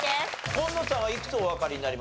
紺野さんはいくつおわかりになりました？